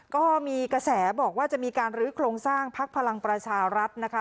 ก็มีกระแสบอกว่าจะมีการลื้อโครงสร้างพักพลังประชารัฐนะคะ